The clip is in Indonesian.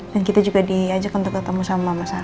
dan kita juga diajak untuk ketemu sama mama sarah